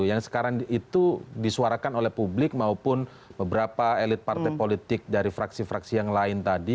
yang sekarang itu disuarakan oleh publik maupun beberapa elit partai politik dari fraksi fraksi yang lain tadi